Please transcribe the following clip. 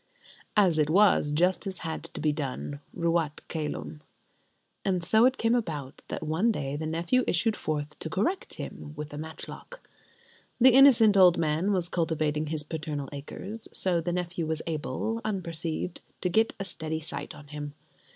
As it was, justice had to be done, ruat cælum: and so it came about that one day the nephew issued forth to correct him with a matchlock. The innocent old man was cultivating his paternal acres; so the nephew was able, unperceived, to get a steady sight on him.